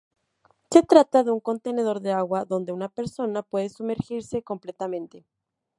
Se trata de un contenedor de agua donde una persona pueda sumergirse completamente.